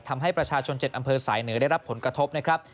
ทำให้ประชาชน๗อำเภอสายเหนือได้รับผลกระทบนะครับ